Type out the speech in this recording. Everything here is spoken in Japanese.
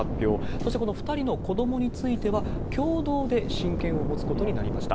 そしてこの２人の子どもについては、共同で親権を持つことになりました。